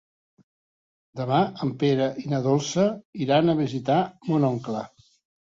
Demà en Pere i na Dolça iran a visitar mon oncle.